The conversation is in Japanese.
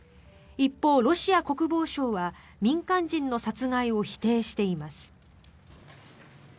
一方、ロシア国防省は民間人の殺害を否定しています。